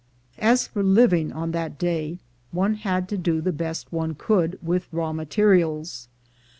As for living on that day, one had to do the best one could with raw materials.